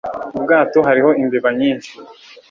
ubwato hariho imbeba nyinshi